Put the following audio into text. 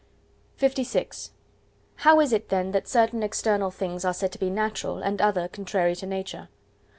LVI How is it then that certain external things are said to be natural, and other contrary to Nature?